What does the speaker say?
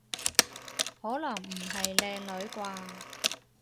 可能唔係靚女啩？